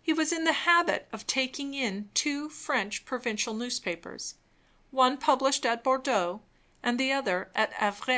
He was in the habit of taking in two French provincial newspapers one published at Bordeaux and the other at Havre.